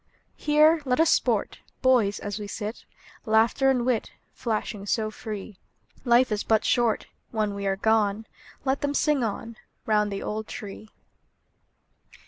Here let us sport, Boys, as we sit, Laughter and wit Flashing so free. Life is but short, When we are gone, Let them sing on, Round the old tree.